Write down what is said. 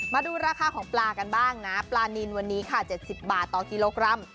มาดูราคาของปลากันบ้างนะปลานินวันนี้ค่ะ๗๐บาทต่อกิโลกรัม